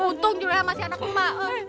untung juga masih anak rumah